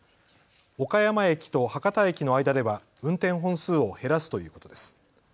岡山駅と博多駅の間では運転本数を減らすということです。